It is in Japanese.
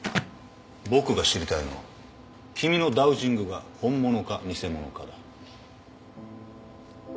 僕が知りたいのは君のダウジングが本物か偽物かだ。